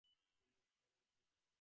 Police তাদের খুঁজছে।